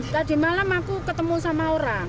tadi malam aku ketemu sama orang